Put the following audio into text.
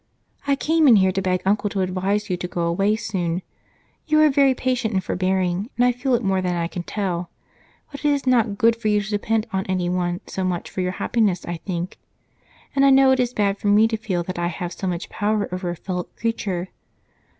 "I came in here to beg Uncle to advise you to go away soon. You are very patient and forbearing, and I feel it more than I can tell. But it is not good for you to depend on anyone so much for your happiness, I think, and I know it is bad for me to feel that I have so much power over a fellow creature.